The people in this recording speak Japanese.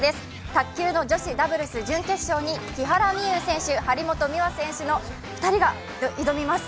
卓球の女子ダブルス準決勝に木原美悠選手、張本美和選手の２人が挑みます。